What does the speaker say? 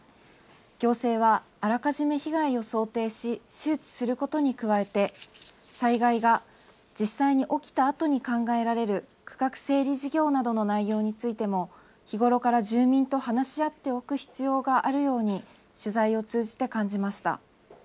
行政はあらかじめ被害を想定し、周知することに加えて、災害が実際に起きたあとに考えられる区画整理事業などの内容についても、日頃から住民と話し合っておく必要があるように取材を通じて感じ